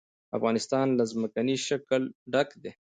افغانستان له ځمکنی شکل ډک دی.